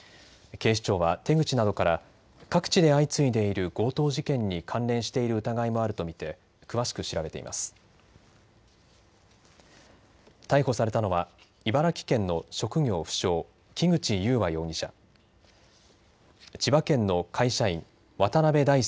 警視庁は手口などから各地で相次いでいる強盗事件に関連している疑いもあると見て詳しく調べています。